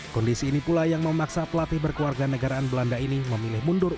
kondisi ini pula yang memaksa pelatih berkeluarga negaraan belanda ini memilih mundur